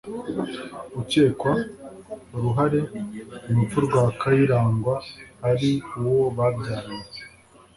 akekwa uruhare mu rupfu rwa kayirangwa ari uwo babyaranye